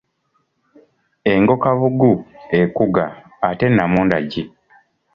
Engo kabugu ekuga, ate namundagi?